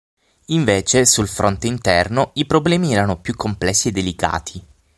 Invece sul fronte interno, i problemi erano più complessi e delicati.